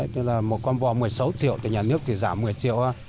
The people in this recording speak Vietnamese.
tức là một con bò một mươi sáu triệu thì nhà nước chỉ giảm một mươi triệu